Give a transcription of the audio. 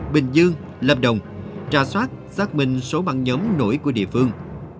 bình dương lâm đồng trà soát xác minh số băng nhóm nổi của địa phương